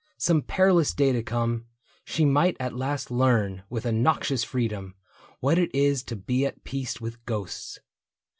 Some perilous day to come, she might at last Learn, with a noxious freedom, what it is To be at peace with ghosts.